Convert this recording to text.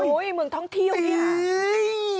โอ้โหเมืองท้องเที่ยวเนี่ย